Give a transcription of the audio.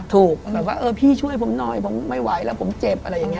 ถูกก็ว่าพี่ช่วยผมน้อยผมไม่ไหวแล้วผมเจ็บ